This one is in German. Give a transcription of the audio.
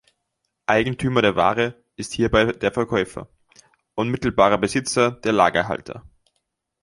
Eigentümer der Ware ist hierbei der Verkäufer, unmittelbarer Besitzer der Lagerhalter.